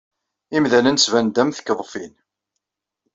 Imdanen ttbanen-d am tkeḍfin.